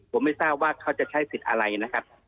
ผมไม่ทราบว่าเขาจะใช้สิทธิ์อะไรนะครับ